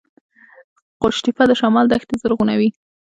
قوش تیپه د شمال دښتې زرغونوي